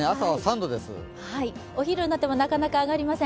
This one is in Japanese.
お昼になっても、なかなか上がりません。